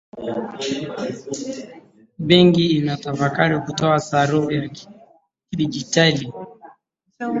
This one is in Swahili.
Benki inatafakari kutoa sarafu ya kidigitali